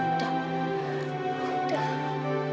udah udah udah